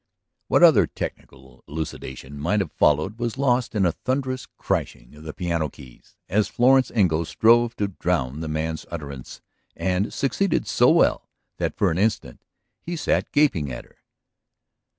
..." What other technical elucidation might have followed was lost in a thunderous crashing of the piano keys as Florence Engle strove to drown the man's utterance and succeeded so well that for an instant he sat gaping at her.